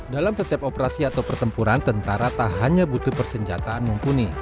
dalam setiap operasi atau pertempuran tentara tak hanya butuh persenjataan mumpuni